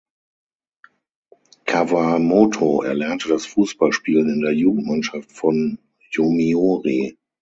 Kawamoto erlernte das Fußballspielen in der Jugendmannschaft von Yomiuri.